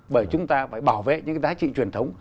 bởi chúng ta phải bảo vệ những cái giá trị truyền thống